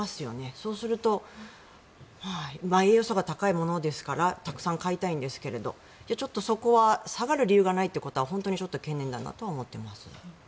そうすると栄養素が高いものですからたくさん買いたいんですがちょっとそこは下がる理由がないということは本当にちょっと懸念だなとは思っています。